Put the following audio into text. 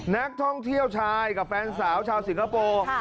นักท่องเที่ยวชายกับแฟนสาวชาวสิงคโปร์